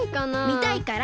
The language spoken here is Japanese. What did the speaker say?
みたいから！